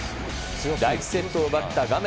第１セットを奪った画面